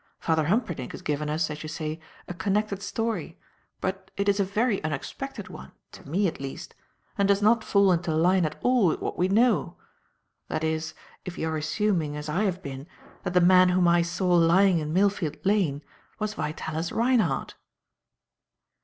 Father Humperdinck has given us, as you say, a connected story, but it is a very unexpected one, to me, at least, and does not fall into line at all with what we know that is, if you are assuming, as I have been, that the man whom I saw lying in Millfield Lane was Vitalis Reinhardt."